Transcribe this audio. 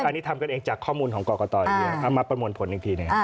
อันนี้ทำกันเองจากข้อมูลของกกตมาประมวลผลหนึ่งที